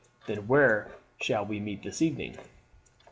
Then where shall we meet this evening?"